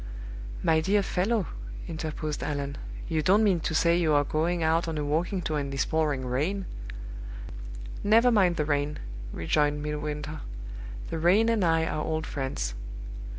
"My dear fellow," interposed Allan, "you don't mean to say you are going out on a walking tour in this pouring rain!" "Never mind the rain," rejoined Midwinter. "The rain and I are old friends.